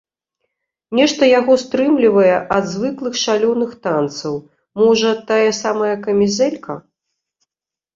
Нешта яго стрымлівае ад звыклых шалёных танцаў, можа, тая самая камізэлька?